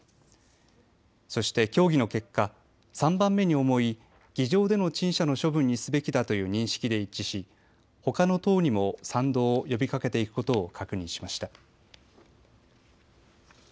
そして協議の結果、３番目に重い議場での陳謝の処分にすべきだという認識で一致し、ほかの党にも賛同を呼びかけていくことを確認しました。